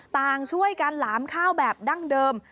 ต่างช่วยกันหลามข้าวแบบดั้งเดิม